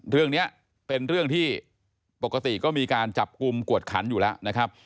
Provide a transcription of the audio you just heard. เรื่องนี้เป็นเรื่องที่ปกติก็มีการจับกลุ่มกวดขันอยู่แล้วนะครับ